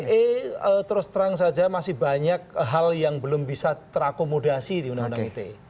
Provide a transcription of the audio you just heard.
ini terus terang saja masih banyak hal yang belum bisa terakomodasi di undang undang ite